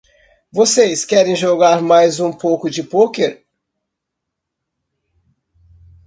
Vocês querem jogar mais um pouco de pôquer?